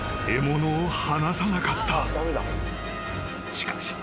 ［しかし］